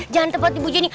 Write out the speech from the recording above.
jangan tempat ibu jeni